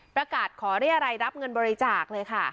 ประกาศขอเรียรัยรับเงินบริจาคเลยค่ะ